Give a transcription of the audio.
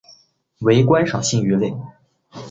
为观赏性鱼类。